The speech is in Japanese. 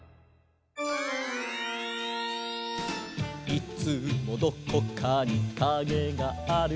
「いつもどこかにカゲがある」